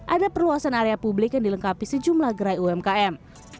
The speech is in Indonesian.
ada perluasan area publik yang dilengkapi sejumlah gerai umkm